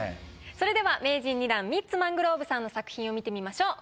それでは名人２段ミッツ・マングローブさんの作品を見てみましょう。